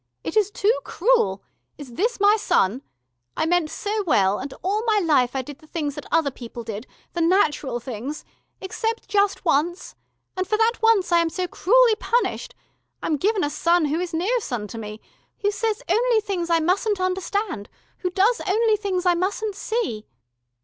"It is too cruel. Is this my son? I meant so well, and all my life I did the things that other people did, the natural things. Except just once. And for that once, I am so cruelly punished.... I am given a son who is no son to me, who says only things I mustn't understand ... who does only things I mustn't see...."